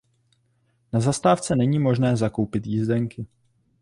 Na zastávce není možné zakoupit jízdenky.